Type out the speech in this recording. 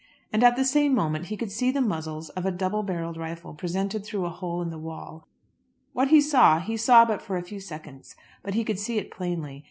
And at the same moment he could see the muzzles of a double barrelled rifle presented through the hole in the wall. What he saw he saw but for a few seconds; but he could see it plainly.